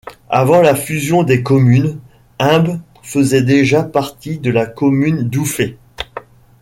Avant la fusion des communes, Himbe faisait déjà partie de la commune d'Ouffet.